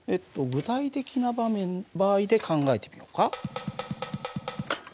具体的な場合で考えてみようか。